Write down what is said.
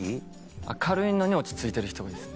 明るいのに落ち着いてる人がいいですね。